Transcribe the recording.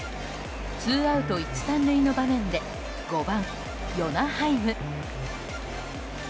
ツーアウト１、３塁の場面で５番、ヨナ・ハイム。